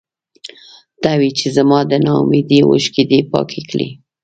ته وې چې زما د نا اميدۍ اوښکې دې پاکې کړې.